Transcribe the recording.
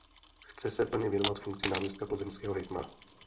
Chce se plně věnovat funkci náměstka plzeňského hejtmana.